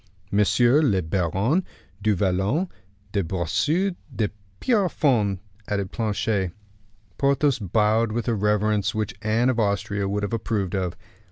"Monsieur le Baron du Vallon de Bracieux de Pierrefonds," added Planchet. Porthos bowed with a reverence which Anne of Austria would have approved of.